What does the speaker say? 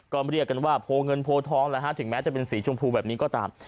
ก็เรียกกันว่าโพเงินโพทองถึงแม้จะเป็นสีชมพูแบบนี้ก็ตาม